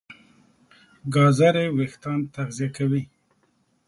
ګازرې وېښتيان تغذیه کوي.